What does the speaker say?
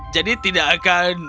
jadi tidak akan